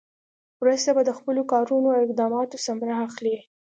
وروسته به د خپلو کارونو او اقداماتو ثمره اخلي.